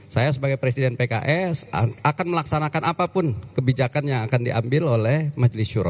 saya sebagai presiden pks akan melaksanakan apapun kebijakan yang akan diambil oleh majelis syuro